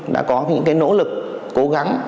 đã có những nỗ lực cố gắng